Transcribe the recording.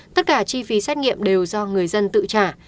tất cả chi phí xét nghiệm đều do người dân tự trả